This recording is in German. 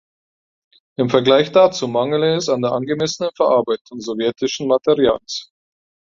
Im Vergleich dazu mangele es an der angemessenen Verarbeitung sowjetischen Materials.